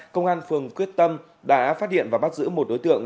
công an phường quyết tâm đã phát hiện và bắt giữ một đối tượng